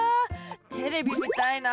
テレビ見たいな。